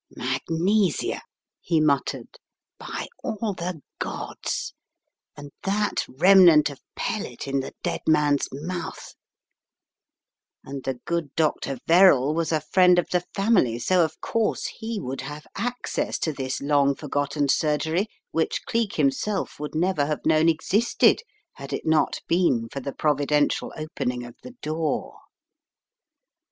"Magnesia," he muttered. "By all the Gods — and that remnant of pellet in the dead man's mouth !" And the good Dr. Verrall was a friend of the family, so of course he would have access to this long forgot ten surgery which Cleek himself would never have known existed had it not been for the providential opening of the door.